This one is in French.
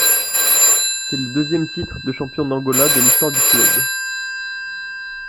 C'est le deuxième titre de champion d'Angola de l'histoire du club.